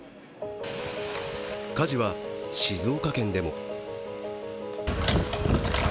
火事は静岡県でも。